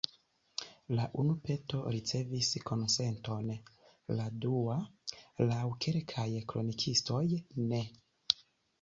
La unu peto ricevis konsenton, la dua, laŭ kelkaj kronikistoj, ne.